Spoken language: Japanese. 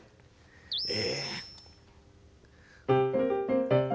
ええ？